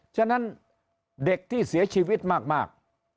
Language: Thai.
ฉะนั้นเด็กที่เสียชีวิตมาก